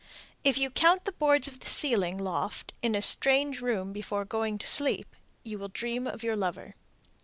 If you count the boards of the ceiling (loft) in a strange room before going to sleep, you will dream of your lover.